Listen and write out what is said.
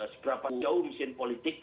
seberapa jauh mesin politik